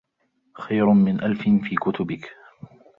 خَيْرٌ مِنْ أَلْفٍ فِي كُتُبِك